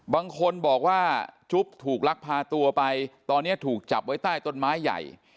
บางคนบอกว่าจุ๊บถูกลักพาตัวไปตอนนี้ถูกจับไว้ใต้ต้นไม้ใหญ่